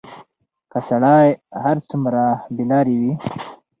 که سړى هر څومره بېلارې وي،